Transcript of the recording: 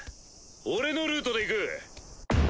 俺のルートで行く。